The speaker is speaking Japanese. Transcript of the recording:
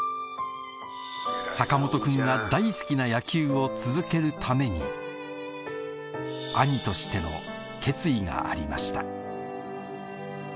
坂本くんが大好きな野球を続けるために兄としての決意がありました